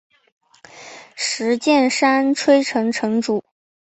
石见山吹城城主。